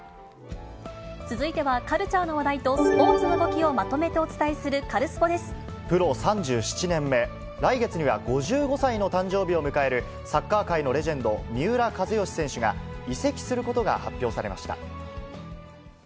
続いてはカルチャーの話題とスポーツの動きをまとめてお伝えプロ３７年目、来月には５５歳の誕生日を迎えるサッカー界のレジェンド、三浦知良選手が、移籍することが発表されました。